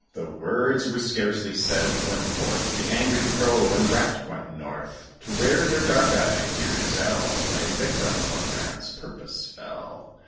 The words were scarcely said, when forth The angry Crow and Rat went north, To where their dark eyed, dear Gazelle Lay, victim of man's purpose fell.